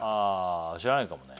知らないかもね。